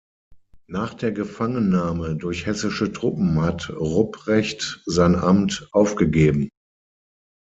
Nach der Gefangennahme durch hessische Truppen hat Rupprecht sein Amt aufgegeben.